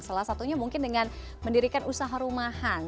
salah satunya mungkin dengan mendirikan usaha rumahan